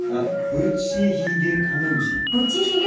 ブチヒゲカメムシ。